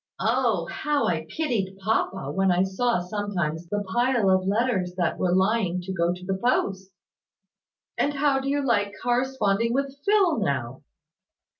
Oh! How I pitied papa, when I saw sometimes the pile of letters that were lying to go to the post!" "And how do you like corresponding with Phil now?"